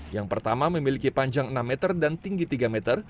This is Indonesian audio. yang pertama memiliki panjang enam meter dan tinggi tiga meter